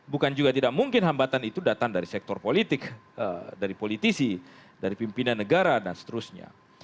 bukan juga tidak mungkin hambatan itu datang dari sektor politik dari politisi dari pimpinan negara dan seterusnya